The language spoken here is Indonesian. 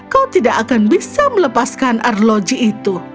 kau tidak akan bisa melepaskan arloji itu